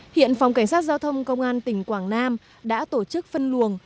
hiện phòng cảnh sát giao thông công an tỉnh quảng nam đã tổ chức phân luồng